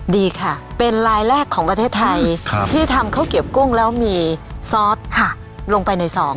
ดีค่ะเป็นลายแรกของประเทศไทยที่ทำข้าวเกียบกุ้งแล้วมีซอสลงไปในซอง